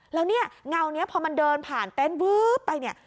แล้วเนี่ยเงานี้พอมันเดินผ่านเต็นต์วื้อไปเนี่ย